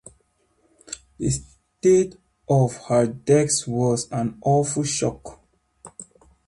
The state of her desk was an awful shock.